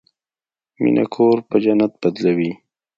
مینه کور په جنت بدلوي.